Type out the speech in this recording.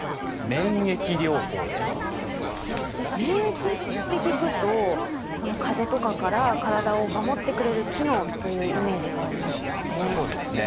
免疫って聞くと風邪とかから体を守ってくれる機能というイメージがありますよね。